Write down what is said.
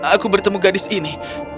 aku bertemu gadis ini